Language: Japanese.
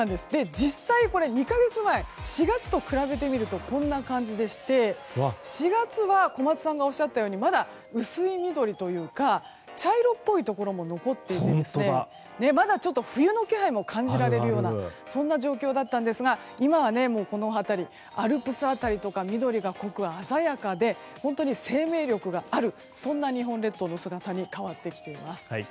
実際これ２か月前４月と比べてみるとこんな感じでして、４月は小松さんがおっしゃったようにまだ、薄い緑というか茶色っぽいところも残っていてまだ、冬の気配も感じられるようなそんな状況だったんですが今はこの辺りアルプス辺りとか緑が濃く鮮やかで、生命力があるそんな日本列島の姿に変わってきています。